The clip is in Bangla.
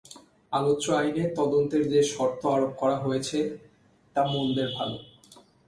আলোচ্য আইনে তদন্তের যে শর্ত আরোপ করা হয়েছে, তা মন্দের ভালো।